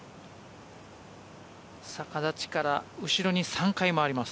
逆立ちから後ろに３回回ります。